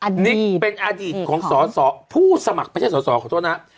อันนี้เป็นอดีตของสอสอผู้สมัครไม่ใช่สอสอขอโทษนะ